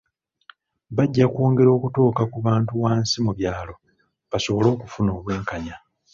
Bajja kwongera okutuuka ku bantu wansi mu byalo, basobole okufuna obwenkanya.